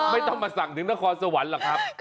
ไม่ต้องมาสั่งถึงนครสวรรค์หรอกครับ